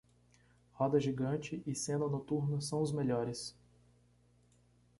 Roda gigante e cena noturna são os melhores